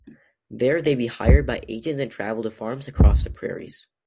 There they be hired by agents and travel to farms across the prairies.